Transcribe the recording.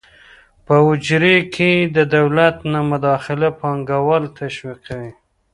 په اجورې کې د دولت نه مداخله پانګوال تشویقوي.